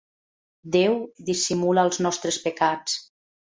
Déu dissimula els nostres pecats.